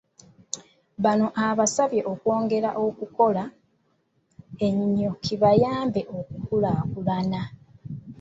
Bano abasabye okwongera okukola ennyo kibayambe okukulaakulana.